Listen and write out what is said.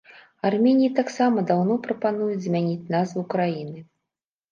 Арменіі таксама даўно прапануюць змяніць назву краіны.